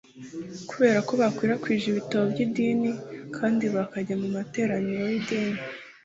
kubera ko bakwirakwije ibitabo by idini kandi bakajya mu materaniro y idini